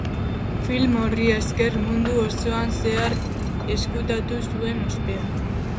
Film horri esker, mundu osoan zehar eskuratu zuen ospea.